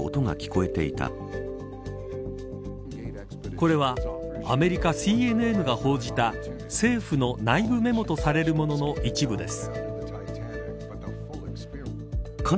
これはアメリカＣＮＮが報じた政府の内部メモとされるものの一部です。